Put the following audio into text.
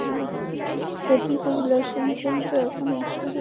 সঠিক ও ভুলের সিদ্ধান্ত, এখন ইশ্বরের হাতে।